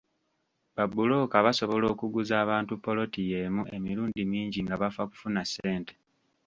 Babbulooka basobola okuguza abantu ppoloti yeemu emirundi mingi nga bafa kufuna ssente.